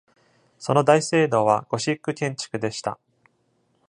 その大聖堂はゴシック建築でした。